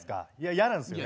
嫌なんですよね。